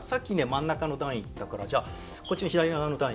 真ん中の段いったからじゃあこっち左側の段いきますか。